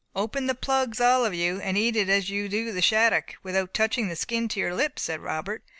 "Open the plugs, all of you, and eat it as you do the shaddock, without touching the skin to your lips," said Robert.